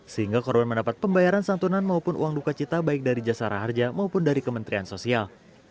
sehingga korban mendapat pembayaran santunan maupun uang duka cita baik dari jasara harja maupun dari kementerian sosial